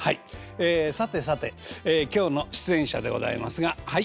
えさてさて今日の出演者でございますがはい。